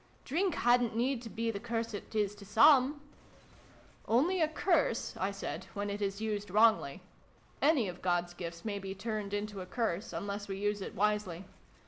" Drink hadn't need to be the curse it is to some " Only a curse," I said, " when it is used wrongly. Any of God's gifts may be turned into a curse, unless we use it wisely.